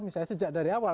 misalnya sejak dari awal